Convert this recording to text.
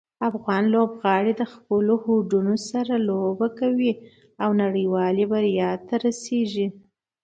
افغان لوبغاړي د خپلو هوډونو سره لوبه کوي او نړیوالې بریا ته رسي.